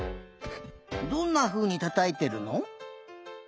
どんなふうにたたいてるの？